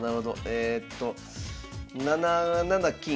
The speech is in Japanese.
えと７七金。